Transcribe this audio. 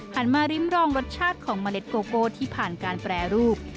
มาริมรองรสชาติของเมล็ดโกโก้ที่ผ่านการแปรรูป